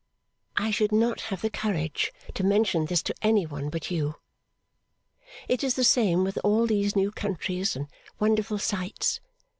I should not have the courage to mention this to any one but you. It is the same with all these new countries and wonderful sights.